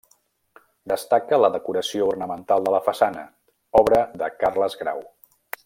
Destaca la decoració ornamental de la façana, obra de Carles Grau.